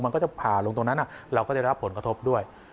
มันก็จะผ่าลงตรงนั้นเราก็ได้รับผลกระทบด้วย